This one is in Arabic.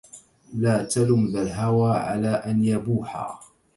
لا تلم ذا الهوى على أن يبوحا